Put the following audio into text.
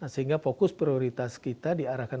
sehingga fokus prioritas kita diarahkan